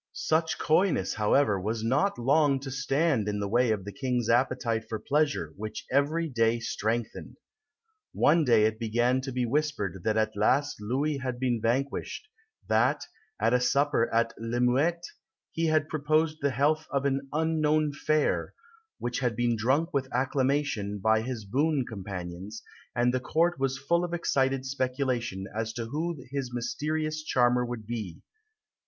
Such coyness, however, was not long to stand in the way of the King's appetite for pleasure which every day strengthened. One day it began to be whispered that at last Louis had been vanquished that, at a supper at La Muette, he had proposed the health of an "Unknown Fair," which had been drunk with acclamation by his boon companions; and the Court was full of excited speculation as to who his mysterious charmer could be.